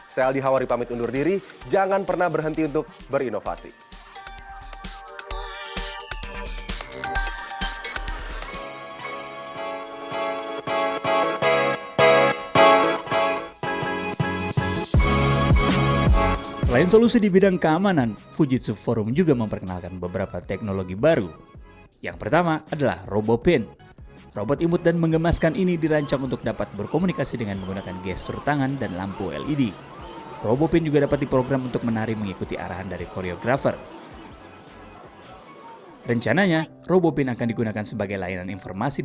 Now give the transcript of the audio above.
saya aldi hawari pamit undur diri jangan pernah berhenti untuk berinovasi